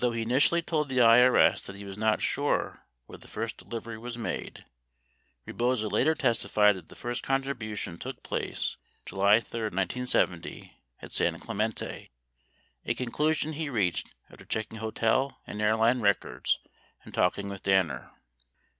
94 Although he initially told the IRS that he was not sure where the first delivery was made, 95 Rebozo later testified that the first contribu tion took place July 3, 1970, at San Clemente, 96 a conclusion he reached after checking hotel and airline records 97 and talking with Danner.